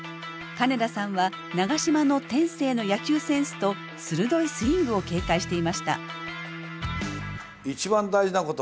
金田さんは長嶋の天性の野球センスと鋭いスイングを警戒していました。